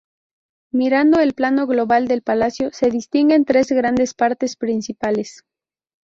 Mirando el plano global del palacio se distinguen tres grandes partes principales.